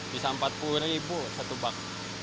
bisa rp empat puluh satu bak